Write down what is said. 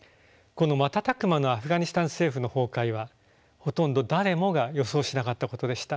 この瞬く間のアフガニスタン政府の崩壊はほとんど誰もが予想しなかったことでした。